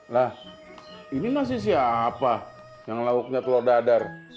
lah ini nasi siapa yang lauknya telur dadar